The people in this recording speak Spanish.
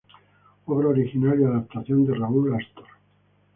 Obra original y adaptación de Raúl Astor.